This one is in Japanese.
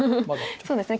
そうですね。